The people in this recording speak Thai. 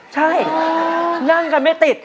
ใช่นั่งกันไม่ติด